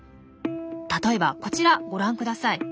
例えばこちらご覧ください。